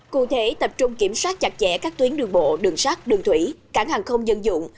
cụ thể tập trung kiểm soát chặt chẽ các tuyến đường bộ đường sát đường thủy cảng hàng không dân dụng